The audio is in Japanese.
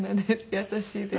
優しいです。